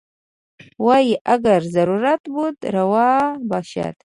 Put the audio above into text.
وايي ګر ضرورت بود روا باشد.